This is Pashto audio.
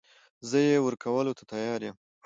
زه يې ورکولو ته تيار يم .